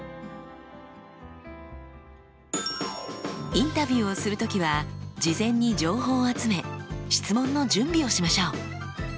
インタビューをする時は事前に情報を集め質問の準備をしましょう。